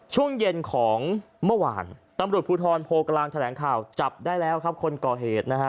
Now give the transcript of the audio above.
ช่วงเย็นของเมื่อวานตำรวจภูทรโพกลางแถลงข่าวจับได้แล้วครับคนก่อเหตุนะฮะ